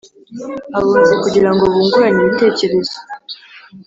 Abunzi kugira ngo bungurane ibitekerezo